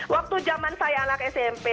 waktu zaman saya anak smp